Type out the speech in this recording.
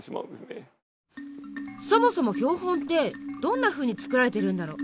そもそも標本ってどんなふうに作られているんだろう？